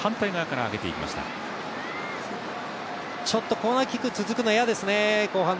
コーナーキック続くの嫌ですね、後半。